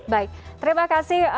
baik terima kasih